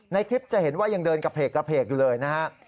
ในคลิปจะเห็นว่ายังเดินกระเพกอยู่เลยนะฮะ